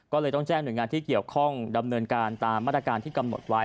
ก็เลยต้องแจ้งหน่วยงานที่เกี่ยวข้องดำเนินการตามมาตรการที่กำหนดไว้